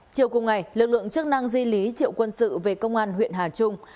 chiều cùng ngày lực lượng chức năng di lý triệu quân sự về công an huyện hà trung